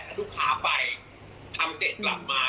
ถ้าลูกค้าไปทำเสร็จกลับมา